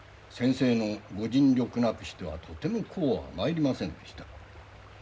先生のご尽力なくしてはとてもこうはまいりませんでした。